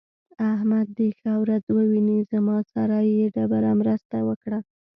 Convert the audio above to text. احمد دې ښه ورځ وويني؛ زما سره يې ډېره مرسته وکړه.